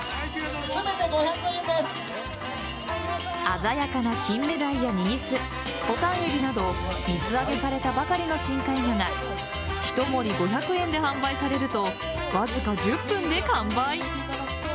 鮮やかなキンメダイやニギスボタンエビなど水揚げされたばかりの深海魚がひと盛り５００円で販売されるとわずか１０分で完売。